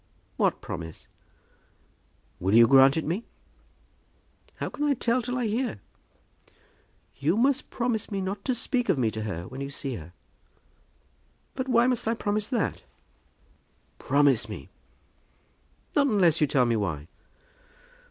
"What promise?" "Will you grant it me?" "How can I tell till I hear?" "You must promise me not to speak of me to her when you see her." "But why must I promise that?" "Promise me." "Not unless you tell me why."